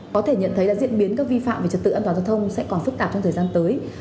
có thể nhận thấy diễn biến các vi phạm về trật tự an toàn giao thông sẽ còn phức tạp trong thời gian tới